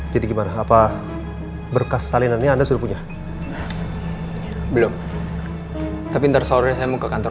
jadi gimana apa berkas salinannya anda sudah punya belum tapi tersorong saya mau ke kantor